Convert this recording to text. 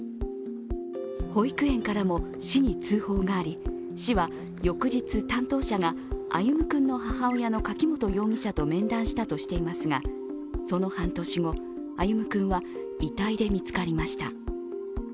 保育園からも市に通報があり、市は翌日、担当者が歩夢君の母親の柿本容疑者と面談したとしていますが、その半年後、歩夢君は遺体で見つかりました。